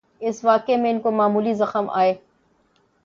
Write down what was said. اس واقعے میں ان کو معمولی زخم آئے۔